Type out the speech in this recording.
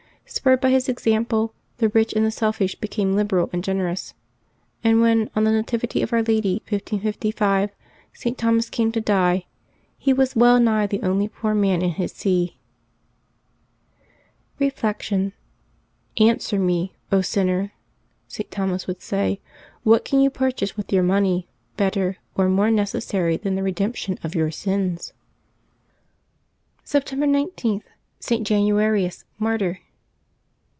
Spurred by his example, the rich and the selfish became liberal and generous; and when, on the Nativity of Our Lady, 1555, St. Thomas came to die, he was well nigh the only poor man in his see. Reflection. — "Answer me, sinner!" St. Thomas would say, " what can you purchase with your money better or more necessary than the redemption of your sins?'' 318 LIVES OF THE SAINTS [Septembeb 20 September 19.— ST. JANUARIUS, Martyr.